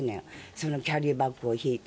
そのキャリーバッグを引いて。